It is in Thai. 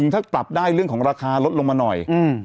ถ้าปรับได้เรื่องของราคาลดลงมาหน่อย